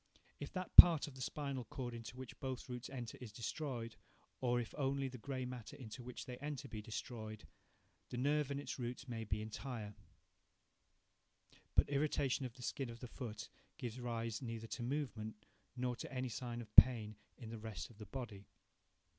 If that part of the spinal cord into which both roots enter is destroyed; or if only the grey matter into which they enter be destroyed, the nerve and its roots may be entire; but irritation of the skin of the foot gives rise neither to movement, nor to any sign of pain in the rest of the body.